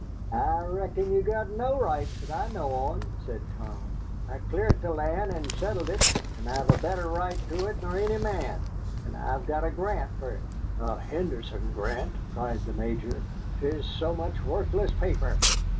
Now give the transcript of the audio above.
"I reckon ye've got no rights that I know on," said Tom. "I cleart the land and settled it, and I have a better right to it nor any man. And I've got a grant fer it." "A Henderson grant!" cried the Major; "'tis so much worthless paper."